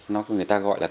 người ta gọi là